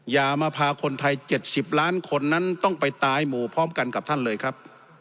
อย่ามาพาคนไทย๗๐ล้านคนนั้นต้องไปตายหมู่พร้อมกันกับท่านเลยครับ